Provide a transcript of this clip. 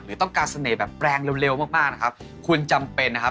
หรือต้องการเสน่ห์แบบแปลงเร็วมากมากนะครับคุณจำเป็นนะครับ